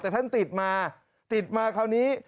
แต่ท่านติดมาติดมาคราวนี้